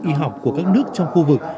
y học của các nước trong khu vực